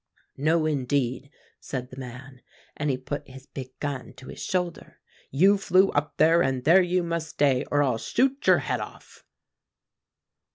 "'No, indeed,' said the man, and he put his big gun to his shoulder; 'you flew up there, and there you must stay, or I'll shoot your head off.